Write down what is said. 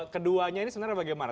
keduanya ini sebenarnya bagaimana